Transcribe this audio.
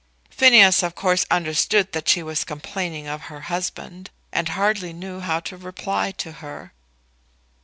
Phineas of course understood that she was complaining of her husband, and hardly knew how to reply to her.